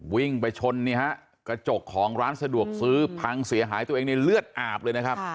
วิ่งไปชนนี่ฮะกระจกของร้านสะดวกซื้อพังเสียหายตัวเองในเลือดอาบเลยนะครับ